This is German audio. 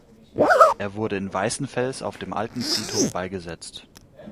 Er wurde in Weißenfels auf dem Alten Friedhof beigesetzt.